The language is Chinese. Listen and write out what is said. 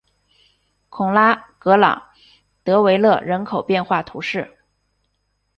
孔拉格朗德维勒人口变化图示